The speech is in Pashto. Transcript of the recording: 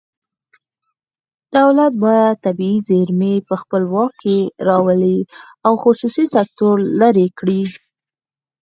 دولت باید طبیعي زیرمې په خپل واک کې راولي او خصوصي سکتور لرې کړي